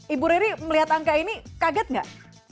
ibu riri melihat angka ini kaget nggak